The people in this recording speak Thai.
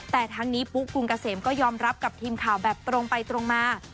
แต่ทั้งนี้ปุ๊กรุงเกษมก็ยอมรับกับทีมข่าวแบบตรงไปตรงมา